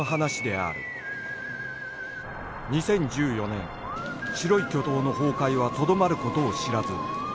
２０１４年白い巨塔の崩壊はとどまる事を知らず